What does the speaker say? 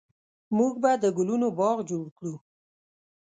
موږ به د ګلونو باغ جوړ کړو